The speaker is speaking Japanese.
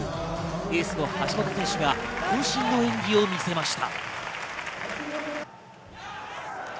エースの橋本選手が渾身の演技を見せました。